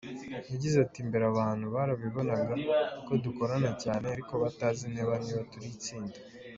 Yagize ati” Mbere abantu barabibonaga ko dukorana cyane ariko batazi neza niba turi itsinda.